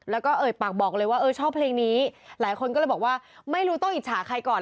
แล้วก็เอ่ยปากบอกเลยว่าเออชอบเพลงนี้หลายคนก็เลยบอกว่าไม่รู้ต้องอิจฉาใครก่อน